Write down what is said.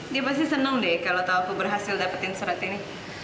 dia pasti senang deh kalau tahu aku berhasil dapetin surat ini